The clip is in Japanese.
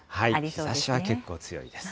日ざしは結構強いです。